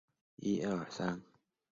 反应可能经过两个中间步骤。